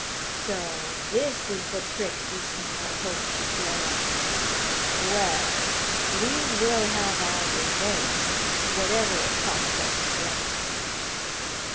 'So this is the trick Ismenor hoped to play us! Well, we will have our revenge, whatever it costs us to get it.